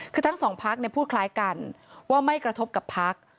คือทั้งสองพักพูดคล้ายกันว่าไม่กระทบกับพัก